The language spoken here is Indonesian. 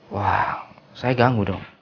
wah saya ganggu dong